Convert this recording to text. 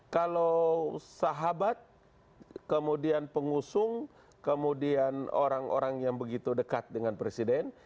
kalau sahabat kemudian pengusung kemudian orang orang yang begitu dekat dengan presiden